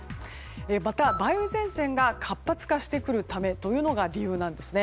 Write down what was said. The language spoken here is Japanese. また梅雨前線が活発化してくるのが理由なんです。